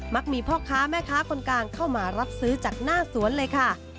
มีพ่อค้าแม่ค้าคนกลางเข้ามารับซื้อจากหน้าสวนเลยค่ะ